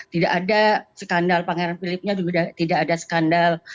tidak ada skandal pangeran philipnya juga tidak ada skandal